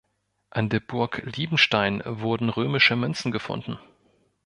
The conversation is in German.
An der Burg Liebenstein wurden römische Münzen gefunden.